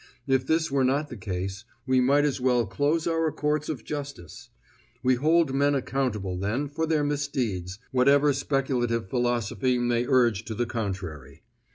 If this were not the case, we might as well close our courts of justice. We hold men accountable, then, for their misdeeds, whatever speculative philosophy may urge to the contrary.